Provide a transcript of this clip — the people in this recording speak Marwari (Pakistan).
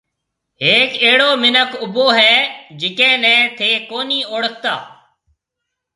هيڪ اهڙو مِنک اُڀو هيَ جڪَي نَي ٿَي ڪونهي اوݪکتا۔